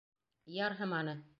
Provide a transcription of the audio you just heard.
Ярһыманы.